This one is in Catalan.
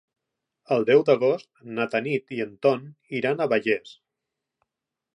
El deu d'agost na Tanit i en Ton iran a Vallés.